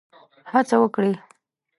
هڅه وکړي.